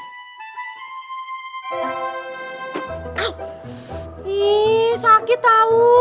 ih sakit tau